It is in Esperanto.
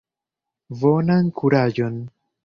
Bonan kuraĝon!